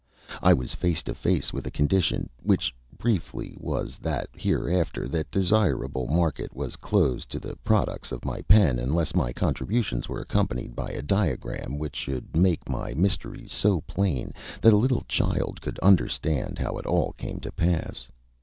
I was face to face with a condition which, briefly, was that hereafter that desirable market was closed to the products of my pen unless my contributions were accompanied by a diagram which should make my mysteries so plain that a little child could understand how it all came to pass.